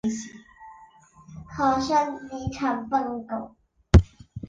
可升级成奔狗。